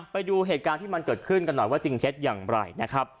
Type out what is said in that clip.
ไปดูเหตุการณ์ที่มันเกิดขึ้นกันหน่อยว่าจริงเท็จอย่างไรนะครับ